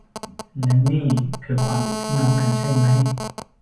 และนี่คือความเป็นพี่น้องกัน ใช่มั้ย